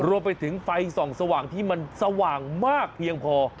รวมไปถึงไฟส่องสว่างที่มันสว่างมากเพียงพอ